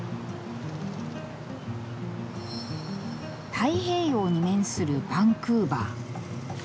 太平洋に面するバンクーバー。